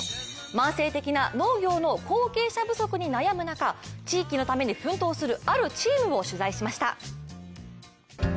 慢性的な農業の後継者不足に悩む中、地域のために奮闘するあるチームを取材しました。